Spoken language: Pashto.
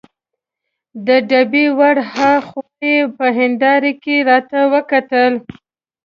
د ډبې ور هاخوا یې په هندارې کې راته وکتل.